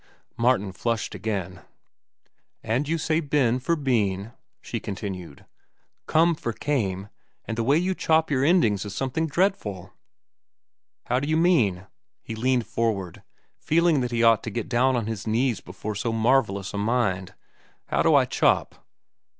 Martin flushed again. "And you say 'ben' for 'been,'" she continued; "'come' for 'came'; and the way you chop your endings is something dreadful." "How do you mean?" He leaned forward, feeling that he ought to get down on his knees before so marvellous a mind. "How do I chop?"